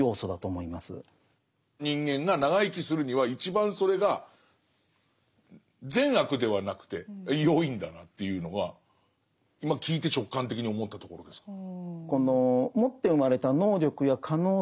人間が長生きするには一番それが善悪ではなくてよいんだなというのは今聞いて直感的に思ったところですかね。